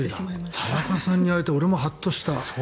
田中さんに言われて俺もハッとした。